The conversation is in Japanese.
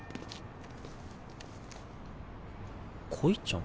恋ちゃん？